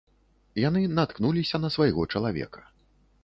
Яны наткнуліся на свайго чалавека.